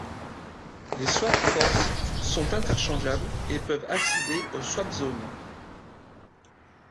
Les swap forces sont interchangeables et peuvent accéder aux swap zones.